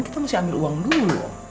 kita mesti ambil uang dulu